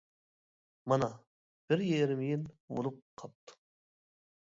مانا بىر يېرىم يىل بولۇپ قاپتۇ.